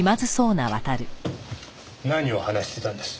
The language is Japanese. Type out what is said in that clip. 何を話してたんです？